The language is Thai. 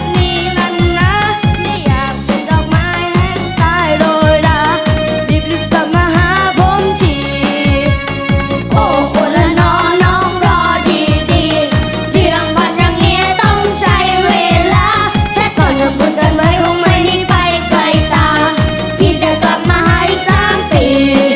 พี่จะกลับมาหาอีกสามปี